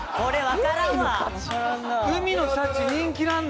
海の幸人気なんだ。